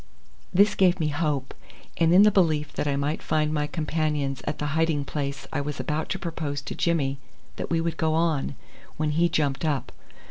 This gave me hope, and in the belief that I might find my companions at the hiding place I was about to propose to Jimmy that we would go on, when he jumped up.